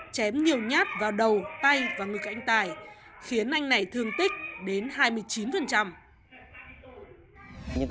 chém nhiều nhát vào đầu tay và ngực anh tài khiến anh này thương tích đến hai mươi chín